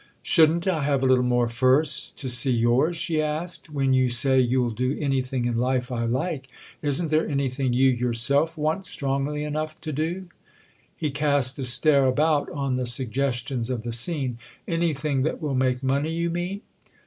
"Shouldn't I have a little more first to see yours?" she asked. "When you say you'll do anything in life I like, isn't there anything you yourself want strongly enough to do?" He cast a stare about on the suggestions of the scene. "Anything that will make money, you mean?"